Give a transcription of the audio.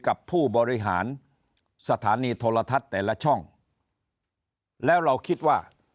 กับผู้บริหารสถานีโทรทัศน์แต่ละช่องแล้วเราคิดว่า